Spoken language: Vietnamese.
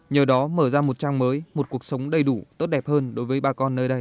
nhờ đó mở ra một trang mới một cuộc sống đầy đủ tốt đẹp hơn đối với bà con nơi đây